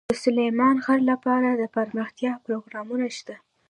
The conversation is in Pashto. د سلیمان غر لپاره دپرمختیا پروګرامونه شته.